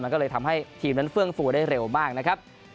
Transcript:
มาทำให้ทีมนั้นเฟื่องฟูได้เร็วมาก